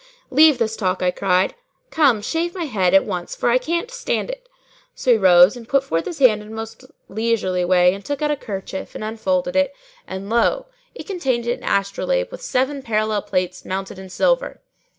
'" "Leave this talk," I cried; "come, shave me my head at once for I can't stand it." So he rose and put forth his hand in most leisurely way and took out a kerchief and unfolded it, and lo! it contained an astrolabe[FN#611] with seven parallel plates mounted in silver.